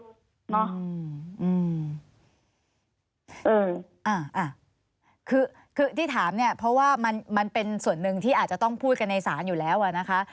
เอออ่าคือที่ถามเนี่ยเพราะว่ามันเป็นส่วนหนึ่งที่อาจจะต้องพูดกันในศาลอยู่แล้วอะนะคะ